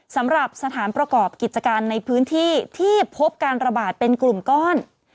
สำหรับสถานประกอบกิจการในพื้นที่ที่พบการระบาดเป็นกลุ่มก้อน